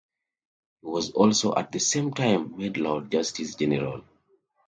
He was also at the same time made lord justice general.